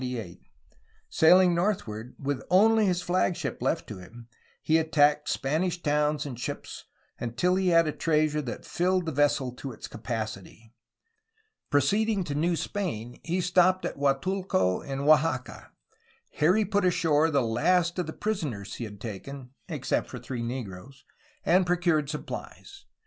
Sailing northward, with only his flagship left to him, he attacked Spanish towns and ships, until he had a treasure that filled the vessel to its capacity. Proceeding to New Spain he stopped at Guatulco in Oaxaca. Here he put ashore the last of the prisoners he had taken, except for three negroes, and procured supplies.